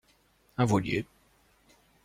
Un voilier.